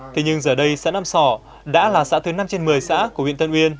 thế nhưng giờ đây xã nam sỏ đã là xã thứ năm trên một mươi xã của huyện tân uyên